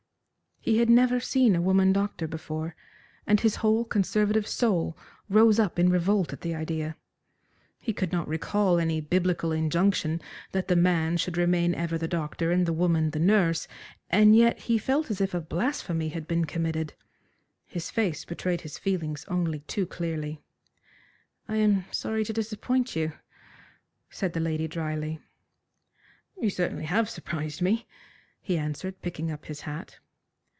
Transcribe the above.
He had never seen a woman doctor before, and his whole conservative soul rose up in revolt at the idea. He could not recall any Biblical injunction that the man should remain ever the doctor and the woman the nurse, and yet he felt as if a blasphemy had been committed. His face betrayed his feelings only too clearly. "I am sorry to disappoint you," said the lady drily. "You certainly have surprised me," he answered, picking up his hat.